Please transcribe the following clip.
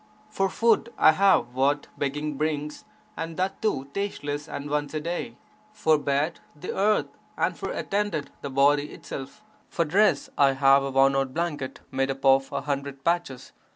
For food, (I have) what begging brings and that too tasteless and once a day; for bed, the earth, and for attendant the body itself; for dress, (I have) a worn out blanket made up of a hundred patches!